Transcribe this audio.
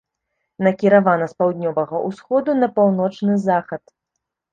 Накіравана з паўднёвага ўсходу на паўночны захад.